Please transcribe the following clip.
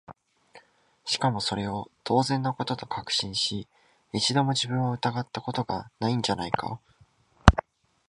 しかもそれを当然の事と確信し、一度も自分を疑った事が無いんじゃないか？